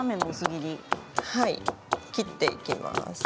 切っていきます。